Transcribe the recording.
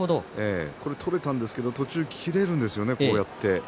取れたんですけど途中切れるんですよね。